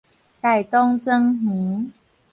大同莊園